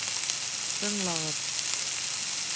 Тыңлағыҙ!